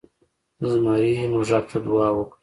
زمري موږک ته دعا وکړه.